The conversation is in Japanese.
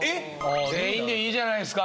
全員でいいじゃないっすか。